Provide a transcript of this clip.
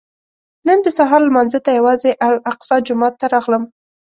نن د سهار لمانځه ته یوازې الاقصی جومات ته راغلم.